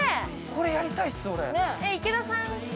これやりたいっす